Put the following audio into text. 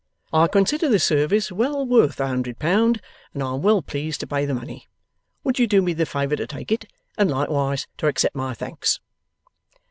I consider the service well worth a hundred pound, and I am well pleased to pay the money. Would you do me the favour to take it, and likewise to accept my thanks?